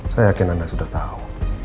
saya yakin anda sudah tahu